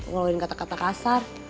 ngeluarin kata kata kasar